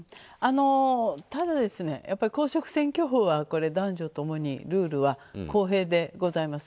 ただ、公職選挙法は男女ともにルールは公平でございます。